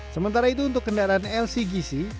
sementara itu untuk kendaraan lcgc